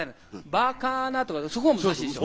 「馬鹿な」とかそこも難しいでしょ？